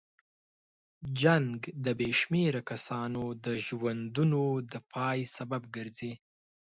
جنګ د بې شمېره کسانو د ژوندونو د پای سبب ګرځي.